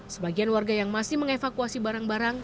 sebagian warga yang masih mengevakuasi barang barang